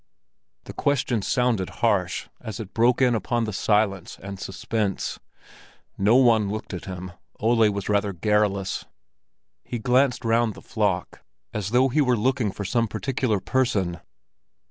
The question sounded harsh as it broke in upon the silence and suspense. No one looked at him—Ole was rather garrulous. He glanced round the flock, as though he were looking for some particular person.